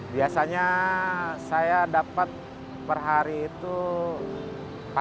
biasanya saya dapat per hari itu empat ratus ya